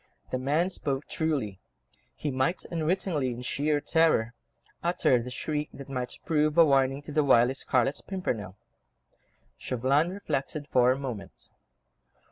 The man spoke truly; he might unwittingly, in sheer terror, utter the shriek that might prove a warning to the wily Scarlet Pimpernel. Chauvelin reflected for a moment.